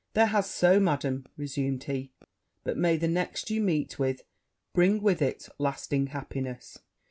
'There have so, Madam,' resumed he; 'but may the next you meet with bring with it lasting happiness!'